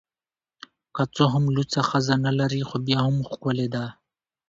که څه هم لوڅه ښځه نلري خو بیا هم ښکلې ده